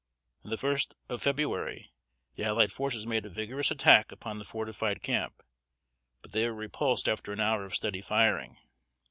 On the first of February, the allied forces made a vigorous attack upon the fortified camp, but they were repulsed after an hour of steady firing.